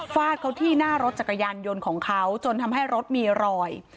ฟาดเขาที่หน้ารถจักรยานยนต์ของเขาจนทำให้รถมีรอย